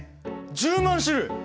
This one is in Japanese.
１０万種類！？